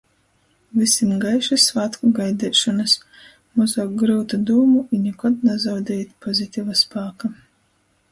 Vysim gaišys svātku gaideišonys, mozuok gryutu dūmu i nikod nazaudejit pozitiva spāka!